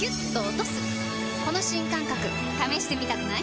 この新感覚試してみたくない？